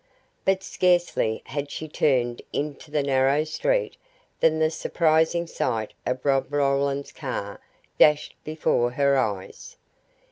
But scarcely had she turned into the narrow street than the surprising sight of Rob Roland's car dashed before her eyes.